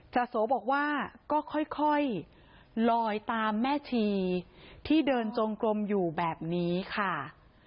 จาโสบอกว่าก็ค่อยลอยตามแม่ชีที่เดินจงกลมอยู่แบบนี้ค่ะ